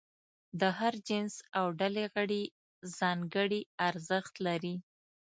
د هر جنس او ډلې غړي ځانګړي ارزښت لري.